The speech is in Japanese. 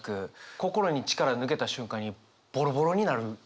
心に力抜けた瞬間にボロボロになる。